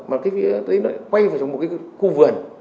mà cái phía đấy lại quay vào một cái khu vườn